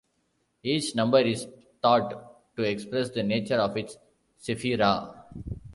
Each number is thought to express the nature of its "sephira".